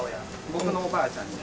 僕のおばあちゃんになる。